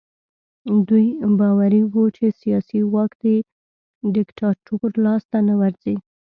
دوی باوري وو چې سیاسي واک د دیکتاتور لاس ته نه ورځي.